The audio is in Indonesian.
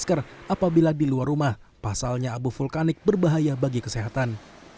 masker apabila di luar rumah pasalnya abu vulkanik berbahaya bagi kesehatan